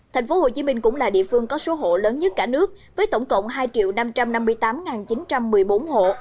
thành phố hồ chí minh cũng là địa phương có số hộ lớn nhất cả nước với tổng cộng hai năm trăm năm mươi tám chín trăm một mươi bốn hộ